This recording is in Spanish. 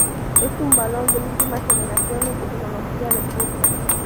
Es un balón de última generación y tecnología de punta.